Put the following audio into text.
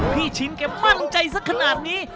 ชินแกมั่นใจสักขนาดนี้